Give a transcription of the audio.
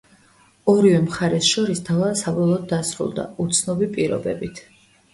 ორივე მხარეს შორის დავა საბოლოოდ დასრულდა, უცნობი პირობებით.